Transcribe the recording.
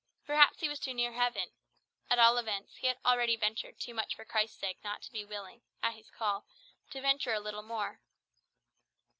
Perhaps he was too near heaven; at all events, he had already ventured too much for Christ's sake not to be willing, at his call, to venture a little more.